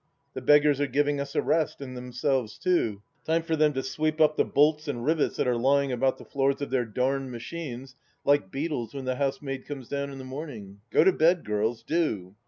The beggars are giving us a rest, and themselves too. Time for them to sweep up the bolts and rivets that are lying about the floors of their darned machines, like beetles when the housemaid comes down in the morning. Go to bed, girls, do."